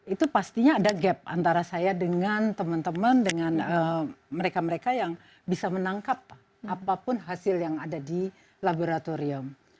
itu pastinya ada gap antara saya dengan teman teman dengan mereka mereka yang bisa menangkap apapun hasil yang ada di laboratorium